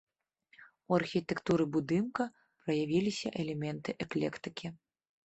У архітэктуры будынка праявіліся элементы эклектыкі.